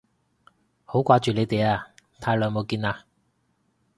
好掛住你哋啊，太耐冇見喇